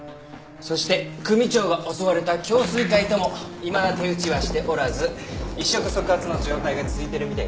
そして組長が襲われた京粹会ともいまだ手打ちはしておらず一触即発の状態が続いているみたいですね。